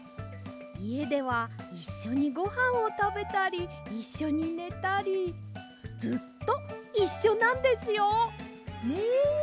いえではいっしょにごはんをたべたりいっしょにねたりずっといっしょなんですよ。ね。